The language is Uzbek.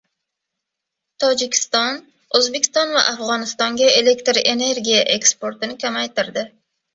Tojikiston O‘zbekiston va Afg‘onistonga elektr energiya eksportini kamaytirdi